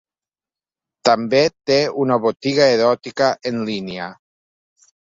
També té una botiga eròtica en línia.